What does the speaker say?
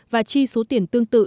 và chi số tiền tương tự